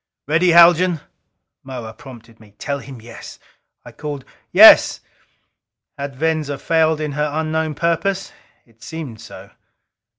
"Ready, Haljan?" Moa prompted me. "Tell him yes!" I called, "Yes!" Had Venza failed in her unknown purpose? It seemed so.